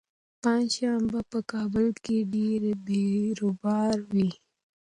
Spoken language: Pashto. پنجشنبه په کابل کې ډېر بېروبار وي.